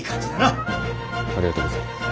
ありがとうございます。